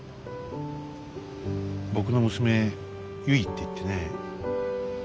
僕の娘ゆいっていってね。